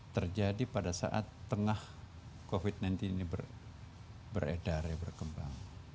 terjadi pada saat tengah covid sembilan belas ini beredar berkembang